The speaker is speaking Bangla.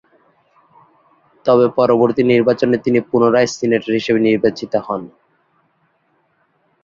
তবে পরবর্তী নির্বাচনে তিনি পুনরায় সিনেটর হিসেবে নির্বাচিত হন।